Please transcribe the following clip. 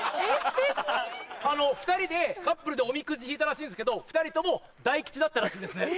２人でカップルでおみくじ引いたらしいんですけど２人とも大吉だったらしいですね。